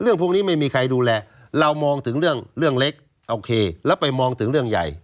พวกนี้ไม่มีใครดูแลเรามองถึงเรื่องเล็กโอเคแล้วไปมองถึงเรื่องใหญ่